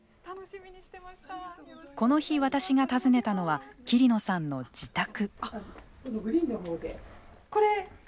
この日、私が訪ねたのは桐野さんの自宅。